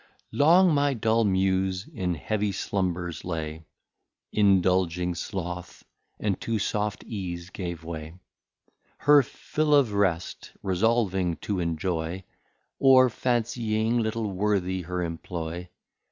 Long my dull Muse in heavy slumbers lay, Indulging Sloth, and to soft Ease gave way, Her Fill of Rest resolving to enjoy, Or fancying little worthy her employ.